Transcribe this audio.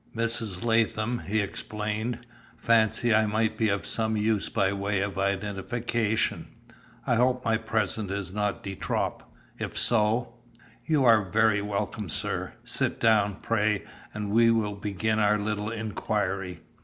"Mrs. Latham," he explained, "fancied I might be of some use by way of identification. I hope my presence is not de trop; if so " "You are very welcome, sir. Sit down, pray, and we will begin our little inquiry.